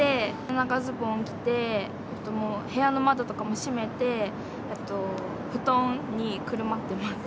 長ズボン着て、部屋の窓とかも閉めて、布団にくるまってます。